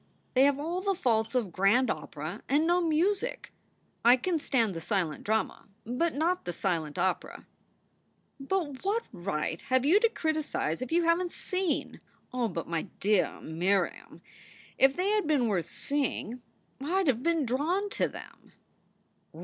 They have all the faults of grand opera and no music. I can stand the silent drama, but not the silent opera." "But what right have you to criticize if you haven t seen?" "Oh, but my d yah Miriam, if they had been worth seeing I d have been drawn to them."